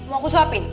mau aku suapin